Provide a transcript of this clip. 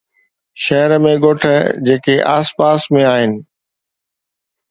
شهر ۽ ڳوٺ جيڪي آس پاس ۾ آهن